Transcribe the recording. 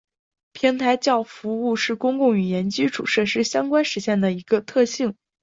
平台叫用服务是公共语言基础设施相关实现的一个特性。